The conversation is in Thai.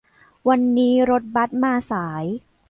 วันนี้รถบัสมาสาย